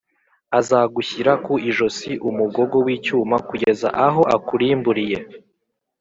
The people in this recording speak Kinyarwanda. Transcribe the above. azagushyira ku ijosi umugogo w’icyuma kugeza aho akurimburiye